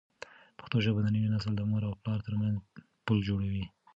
پښتو ژبه د نوي نسل د مور او پلار ترمنځ پل جوړوي.